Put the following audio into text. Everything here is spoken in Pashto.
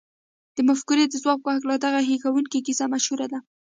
د مفکورې د ځواک په هکله دغه هيښوونکې کيسه مشهوره ده.